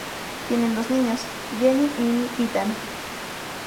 Tienen dos niños, Jennie y Ethan.